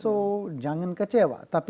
so jangan kecewa